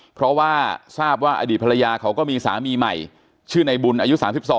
เพราะว่าทราบว่าอดีตภรรยาเขาก็มีสามีใหม่ชื่อในบุญอายุ๓๒